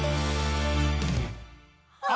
あ！